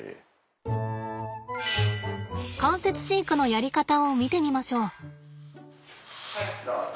間接飼育のやり方を見てみましょう。